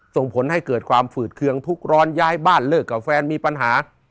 ส่งผลให้เกิดความฝืดเคืองทุกข์ร้อนย้ายบ้านเลิกกับแฟนมีปัญหา